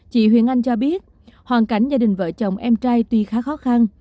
chị huyền anh cho biết hoàn cảnh gia đình vợ chồng em trai tuy khá khó khăn